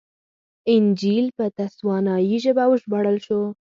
انجییل په تسوانایي ژبه وژباړل شو.